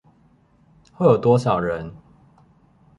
會有多少人？